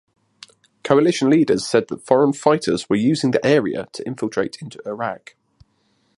Coalition leaders said that foreign fighters were using the area to infiltrate into Iraq.